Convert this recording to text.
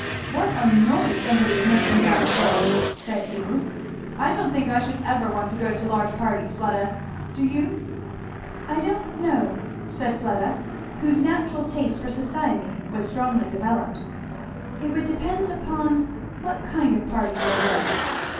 "What a noise somebody is making down stairs!" said Hugh. "I don't think I should ever want to go to large parties, Fleda, do you?" "I don't know," said Fleda, whose natural taste for society was strongly developed; "it would depend upon what kind of parties they were."